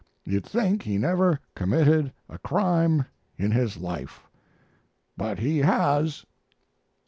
You'd think he never committed a crime in his life. But he has.